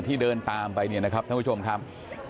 เดินตามไปเนี่ยนะครับท่านผู้ชมครับ